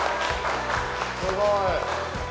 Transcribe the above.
すごい。